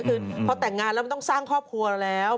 คือพอแต่งงานแล้วมันต้องสร้างครอบครัวแล้ว